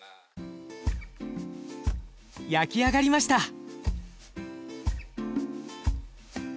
焼き上がりました。